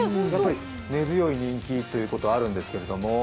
根強い人気ということもあるんですけれども、